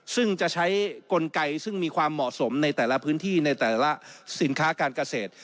ซึ่งจะใช้กลไกซึ่งมีความเหมาะสมในแต่ละพื้นที่ในแต่ละสินค้าการเกษตร